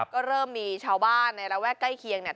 ก็เริ่มมีชาวบ้านในระแวกใกล้เคียงเนี่ย